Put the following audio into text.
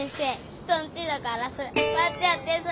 人んちのガラス割っちゃってさ。